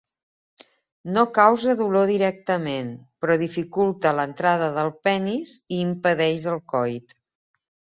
No causa dolor directament, però dificulta l'entrada del penis i impedeix el coit.